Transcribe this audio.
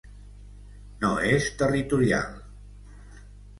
No és territorial.